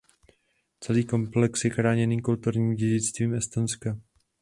Celý komplex je chráněným kulturním dědictvím Estonska.